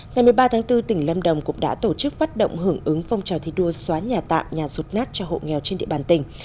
ngày một mươi ba tháng bốn tỉnh lâm đồng cũng đã tổ chức phát động hưởng ứng phong trào thi đua xóa nhà tạm nhà rụt nát cho hộ nghèo trên địa bàn tỉnh